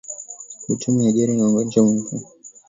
kwa uchumi Nigeria inaunganisha maeneo tofauti sana ikiwa